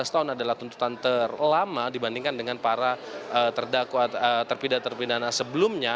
enam belas tahun adalah tuntutan terlama dibandingkan dengan para terpidat terpidat sebelumnya